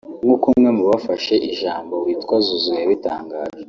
nk’uko umwe mu bafashe ijambo witwa Zouzou yabitangaje